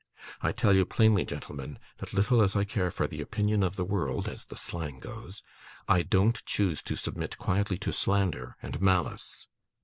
I tell you plainly, gentlemen, that little as I care for the opinion of the world (as the slang goes), I don't choose to submit quietly to slander and malice.